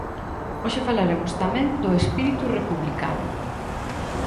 Hoxe falaremos tamén do espírito republicano.